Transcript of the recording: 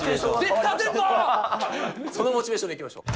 そのモチベーションでいきましょう。